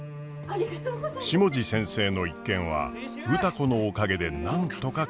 下地先生の一件は歌子のおかげでなんとか解決。